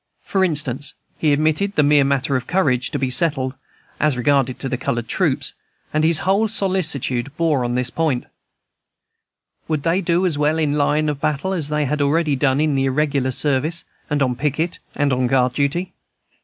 For instance, he admitted the mere matter of courage to be settled, as regarded the colored troops, and his whole solicitude bore on this point, Would they do as well in line of battle as they had already done in more irregular service, and on picket and guard duty?